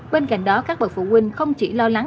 bên cạnh đó các bậc phụ huynh không chỉ lo lắng